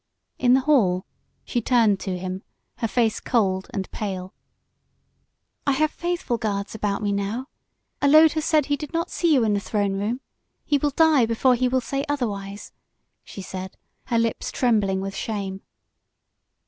In the hall she turned to him, her face cold and pale. "I have faithful guards about me now. Allode has said he did not see you in the throne room. He will die before he will say otherwise," she said, her lips trembling with shame.